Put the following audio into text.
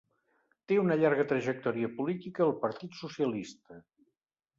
Té una llarga trajectòria política al partit socialista.